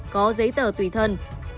có giấy tờ tùy thân